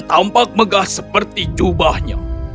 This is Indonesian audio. sempak megah seperti jubahnya